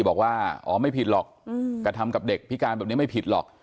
บอกว่าอ๋อไม่ผิดหรอกกระทำกับเด็กพิการแบบนี้ไม่ผิดหรอก